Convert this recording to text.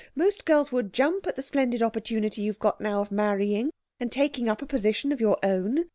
Most girls would jump at the splendid opportunity you've got now of marrying, and taking up a position of your own.